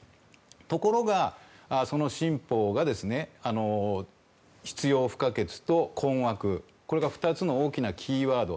ところが、その新法が必要不可欠と困惑これが２つの大きなキーワード。